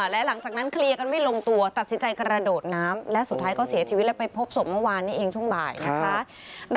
และหลังจากนั้นเคลียร์กันไม่ลงตัวตัดสินใจกระโดดน้ำและสุดท้ายก็เสียชีวิตแล้วไปพบศพเมื่อวานนี้เองช่วงบ่ายนะคะ